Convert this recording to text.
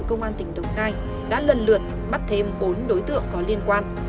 công an tỉnh đồng nai đã lần lượt bắt thêm bốn đối tượng có liên quan